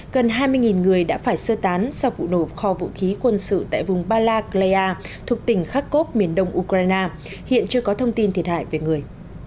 gần hai mươi người đã phải sơ tán sau vụ nổ kho vũ khí quân sự tại vùng bala clia thuộc tỉnh kharkov miền đông ukraine hiện chưa có thông tin thiệt hại về người